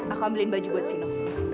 aku ambilin baju buat vino